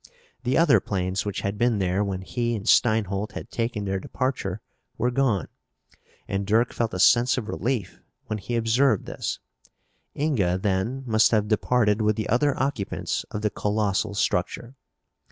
The other planes which had been there when he and Steinholt had taken their departure were gone and Dirk felt a sense of relief when he observed this. Inga, then, must have departed with the other occupants of the colossal structure.